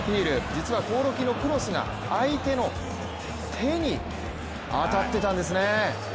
実は興梠のクロスが相手の手に当たってたんですね。